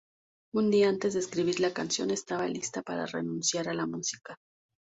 Un día antes de escribir la canción estaba lista para renunciar a la música.